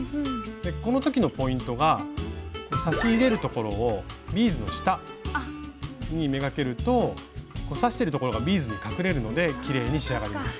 この時のポイントが刺し入れるところをビーズの下に目がけると刺してるところがビーズに隠れるのできれいに仕上がります。